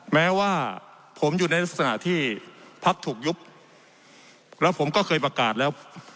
แม้ว่าผมอยู่ในลักษณะที่พักถูกยุบแล้วผมก็เคยประกาศแล้ว